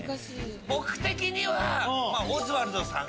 僕的には。